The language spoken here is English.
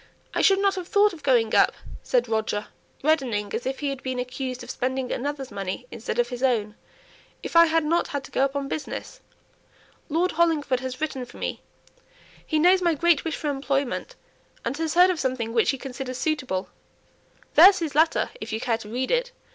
"I shouldn't have thought of going up," said Roger, reddening as if he had been accused of spending another's money instead of his own, "if I hadn't had to go up on business. Lord Hollingford has written for me; he knows my great wish for employment, and has heard of something which he considers suitable; there's his letter if you care to read it.